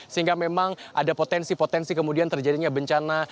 sehingga memang ada potensi potensi kemudian terjadinya bencana